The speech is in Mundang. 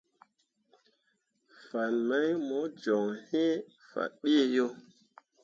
Fan mai mo joŋ iŋ faɓeʼ yo.